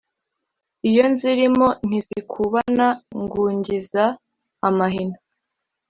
Iyo nzilimo ntizikubana ngungiza amahina.